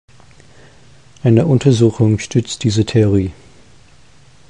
Eine Untersuchung stützt diese Theorie.